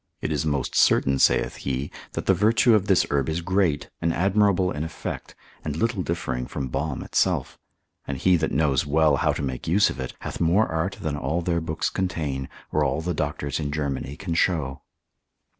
It is most certain (saith he) that the virtue of this herb is great, and admirable in effect, and little differing from balm itself; and he that knows well how to make use of it, hath more art than all their books contain, or all the doctors in Germany can show.